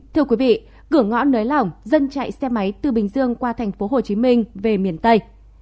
thưa quý vị cửa ngõ nới lỏng dân chạy xe máy từ bình dương qua thành phố hồ chí minh về miền tây